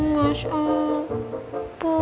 mas al bu